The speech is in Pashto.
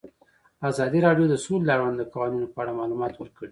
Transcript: ازادي راډیو د سوله د اړونده قوانینو په اړه معلومات ورکړي.